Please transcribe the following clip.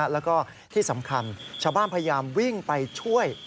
แล้วก็ที่สำคัญชาวบ้านพยายามวิ่งไปช่วย